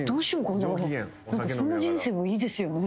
そんな人生もいいですよね。